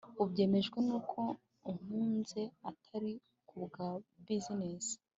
ubyemejwe nuko unkunze atari kubwa business